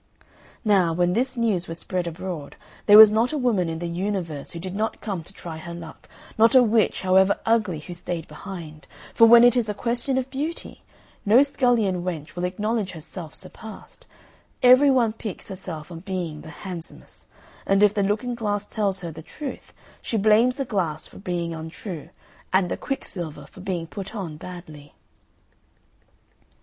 Now, when this news was spread abroad, there was not a woman in the universe who did not come to try her luck not a witch, however ugly, who stayed behind; for when it is a question of beauty, no scullion wench will acknowledge herself surpassed; every one piques herself on being the handsomest; and if the looking glass tells her the truth she blames the glass for being untrue, and the quicksilver for being put on badly.